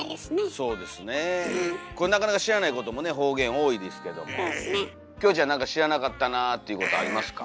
あそうですね。こういうなかなか知らないこともね方言多いですけどもキョエちゃんなんか知らなかったなっていうことありますか？